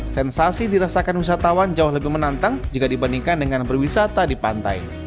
sensasi dirasakan wisatawan jauh lebih menantang jika dibandingkan dengan berwisata di pantai